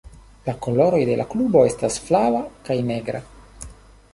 La koloroj de la klubo estas flava kaj negra.